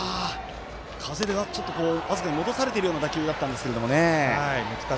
風で僅かに戻されている打球だったんですけどね。